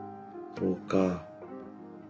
そうか。